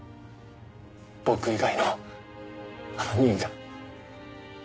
僕以外の犯人が。